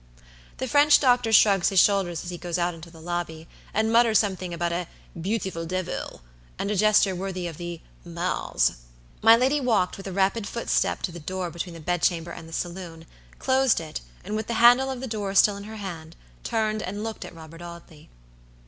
The French doctor shrugs his shoulders as he goes out into the lobby, and mutters something about a "beautiful devil," and a gesture worthy of "the Mars." My lady walked with a rapid footstep to the door between the bed chamber and the saloon; closed it, and with the handle of the door still in her hand, turned and looked at Robert Audley.